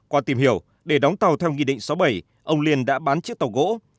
qua tìm hiểu để đóng tàu theo nghị định số bảy ông liên đã bán chiếc tàu gỗ